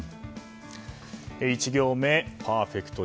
１行目パーフェクト